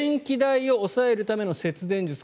電気代を抑えるための節電術。